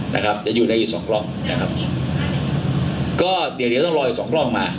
นะครับจะอยู่ในอีกสองกล้องนะครับก็เดี๋ยวเดี๋ยวต้องรออีกสองกล้องมา